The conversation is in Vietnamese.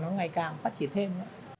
nó ngày càng phát triển thêm